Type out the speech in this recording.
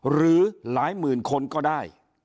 หรือหลายหมื่นคนก็ได้